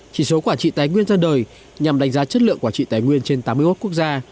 chỉ số quản trị tài nguyên ra đời nhằm đánh giá chất lượng quản trị tài nguyên trên tám mươi một quốc gia